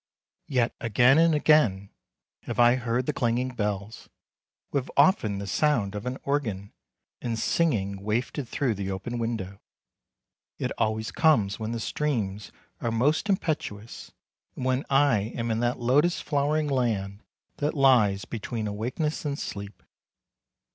Yet again and again have I heard the clanging bells, with often the sound of an organ and singing wafted through the open window. It always comes when the streams are most impetuous and when I am in that lotus flowering land that lies between awakeness and sleep.